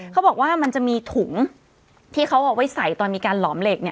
เขาบอกว่ามันจะมีถุงที่เขาเอาไว้ใส่ตอนมีการหลอมเหล็กเนี่ย